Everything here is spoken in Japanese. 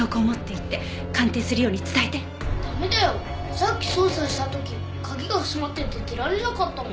さっき捜査した時鍵が閉まってて出られなかったもん。